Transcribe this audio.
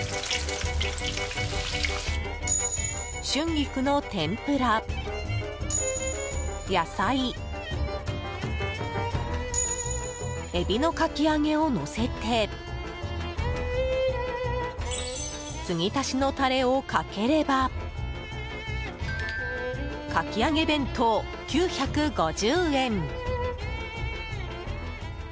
春菊の天ぷら、野菜エビのかき揚げをのせて継ぎ足しのタレをかければかき揚げ弁当、９５０円。